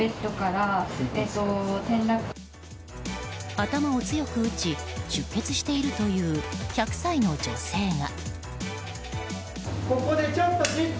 頭を強く打ち出血しているという１００歳の女性が。